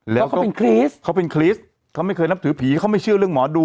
แล้วเขาเป็นคริสต์เขาเป็นคริสต์เขาไม่เคยนับถือผีเขาไม่เชื่อเรื่องหมอดู